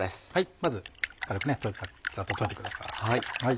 まず軽くざっと溶いてください。